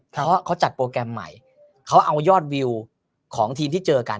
เพราะเขาจัดโปรแกรมใหม่เขาเอายอดวิวของทีมที่เจอกัน